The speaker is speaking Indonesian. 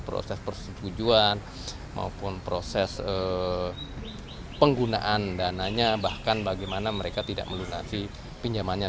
proses persetujuan maupun proses penggunaan dananya bahkan bagaimana mereka tidak melunasi pinjamannya